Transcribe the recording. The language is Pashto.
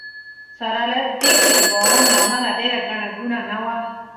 سره له دې چې د باران له امله ډېره ګڼه ګوڼه نه وه.